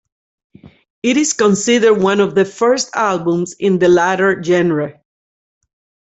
It is considered one of the first albums in the latter genre.